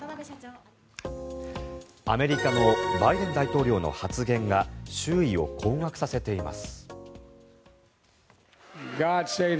アメリカのバイデン大統領の発言が周囲を困惑させています。